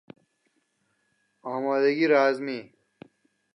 آمادگی رزمی